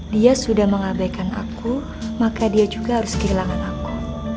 dia sudah mengabaikan aku maka dia juga harus kehilangan aku